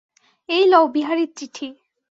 এই লও বিহারীর চিঠি।